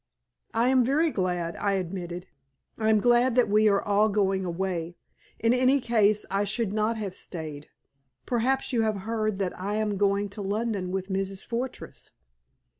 "I am very glad," I admitted. "I am glad that we are all going away. In any case I should not have stayed. Perhaps you have heard that I am going to London with Mrs. Fortress?"